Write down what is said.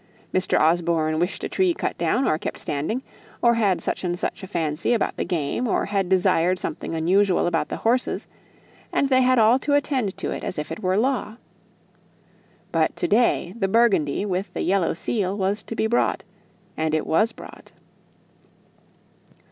Mr. Osborne wished a tree cut down, or kept standing, or had such and such a fancy about the game, or desired something unusual about the horses; and they had all to attend to it as if it were law. But to day the Burgundy with the yellow seal was to be brought; and it was brought.